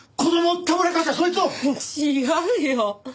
違うよ。